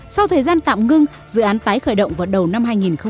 sau thời gian tạm ngưng dự án tái khởi động vào đầu năm hai nghìn một mươi năm